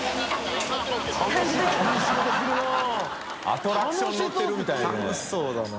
アトラクション乗ってるみたいにね。